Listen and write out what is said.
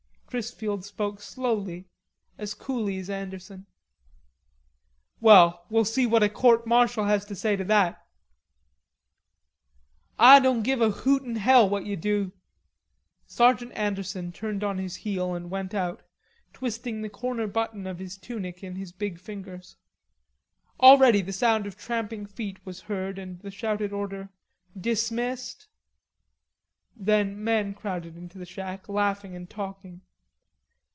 Chrisfield spoke slowly, as coolly as Anderson. "Well, we'll see what a court martial has to say to that." "Ah doan give a hoot in hell what ye do." Sergeant Anderson turned on his heel and went out, twisting the corner button of his tunic in his big fingers. Already the sound of tramping feet was heard and the shouted order, "Dis missed." Then men crowded into the shack, laughing and talking.